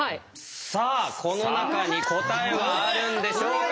さあこの中に答えはあるんでしょうか？